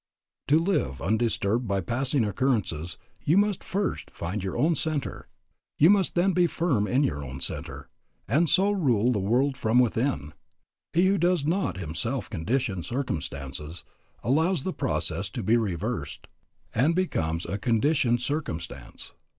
To live undisturbed by passing occurrences you must first find your own centre. You must then be firm in your own centre, and so rule the world from within. He who does not himself condition circumstances allows the process to be reversed, and becomes a conditioned circumstance.